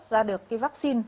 ra được cái vaccine